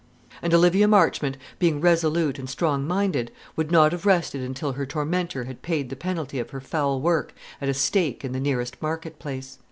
And Olivia Marchmont, being resolute and strong minded, would not have rested until her tormentor had paid the penalty of her foul work at a stake in the nearest market place.